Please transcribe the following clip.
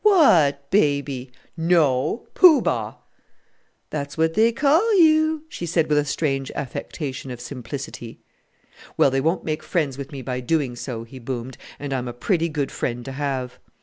"What baby?" "No, Poo Bah!" "That's what they call you," she said with a strange affectation of simplicity. "Well, they won't make friends with me by doing so," he boomed, "and I'm a pretty good friend to have."